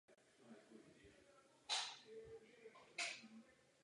Francii se podařilo dosáhnout plného odstoupení levého břehu Rýna říší.